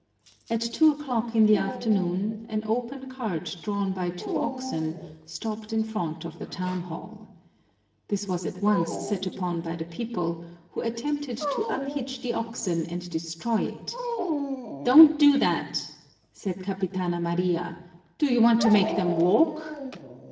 At two o'clock in the afternoon an open cart drawn by two oxen stopped in front of the town hall. This was at once set upon by the people, who attempted to unhitch the oxen and destroy it. "Don't do that!" said Capitana Maria. "Do you want to make them walk?"